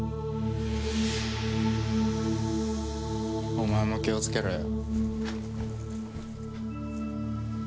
お前も気を付けろよ。